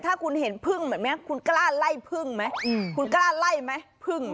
ถ้าคุณเห็นเพลิงเหมือนไงคุณกล้าไล่เพลิงไหมคุณกล้าไล่ไหมเพลิง